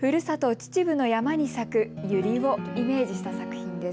秩父の山に咲くユリをイメージした作品です。